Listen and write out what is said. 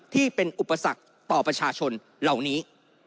ที่เป็นอุปสรรคต่อประชาชนเหล่านี้